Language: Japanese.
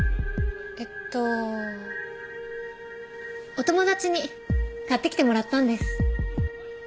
お友達に買ってきてもらったんです。